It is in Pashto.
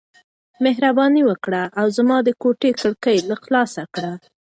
مهرباني وکړه او زما د کوټې کړکۍ لږ خلاص کړه.